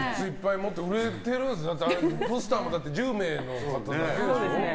売れてるんですね、ポスターも１０名の方だけでしょ。